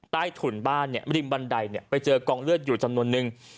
ถุนบ้านริมบันไดไปเจอกองเลือดอยู่จำนวนนึง